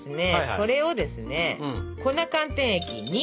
それをですね粉寒天液に。